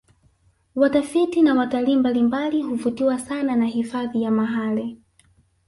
Watafiti na watalii mbalimbali huvutiwa sana na hifadhi ya mahale